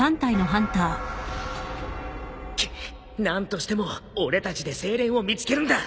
くっ何としても俺たちでセイレーンを見つけるんだ。